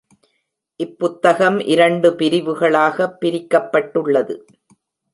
இப்புத்தகம் இரண்டு பிரிவுகளாக பிரிக்கப்பட்டுள்ளது